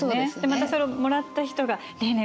またそれをもらった人がねえねえ